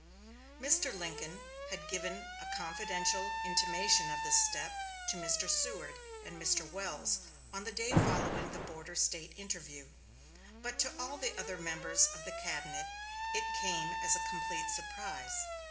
Mr. Lincoln had given a confidential intimation of this step to Mr. Seward and Mr. Welles on the day following the border State interview, but to all the other members of the cabinet it came as a complete surprise.